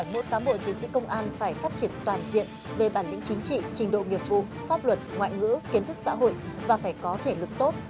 đòi hỏi mỗi tám bộ chiến sĩ công an phải phát triển toàn diện về bản định chính trị trình độ nghiệp vụ pháp luật ngoại ngữ kiến thức xã hội và phải có thể lực tốt